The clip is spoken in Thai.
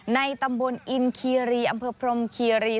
ในตำบลอินคีรีอำเภอพรมคีรี